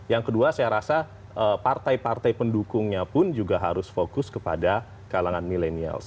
yang kedua saya rasa partai partai pendukungnya pun juga harus fokus kepada kalangan milenials